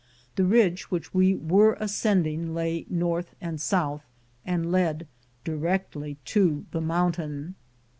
The ridge which we were ascending lay north and south, and led directly up to the mountain.